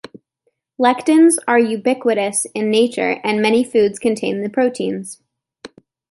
Lectins are ubiquitous in nature and many foods contain the proteins.